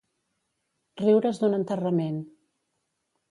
Riure's d'un enterrament.